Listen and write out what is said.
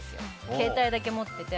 携帯だけ持っていて。